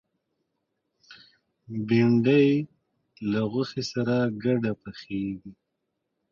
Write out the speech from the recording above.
بېنډۍ له غوښې سره ګډه پخېږي